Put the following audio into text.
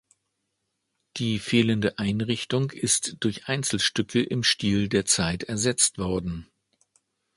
Die fehlende Einrichtung ist durch Einzelstücke im Stil der Zeit ersetzt worden.